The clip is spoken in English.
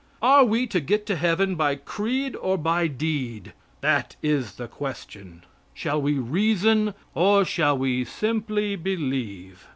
Are we to get to Heaven by creed or by deed? That is the question. Shall we reason, or shall we simply believe?